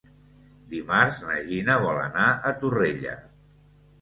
Dimarts na Gina vol anar a Torrella.